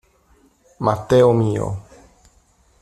Matteo mio.